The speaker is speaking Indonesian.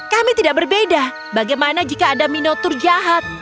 kami tidak berbeda bagaimana jika ada minotur jahat